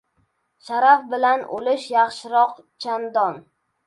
Sharaf bilan o‘lish yaxshiroq chandon.